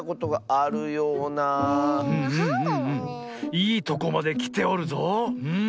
いいとこまできておるぞうん。